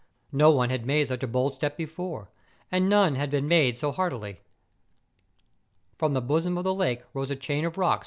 No one had made such a bold step before; and none had been made so heartily. From the bosom of the lake rose a chain of rocks. 142 MOUNTAIN ADVENTURES.